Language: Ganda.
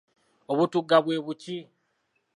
Obutugga bwe buki?